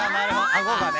あごがね。